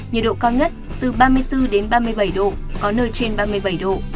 nhiệt độ cao nhất từ ba mươi bốn đến ba mươi bảy độ có nơi trên ba mươi bảy độ